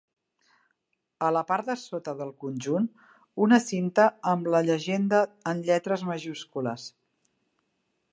A la part de sota del conjunt, una cinta amb la llegenda en lletres majúscules.